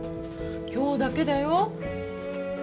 今日だけだよ。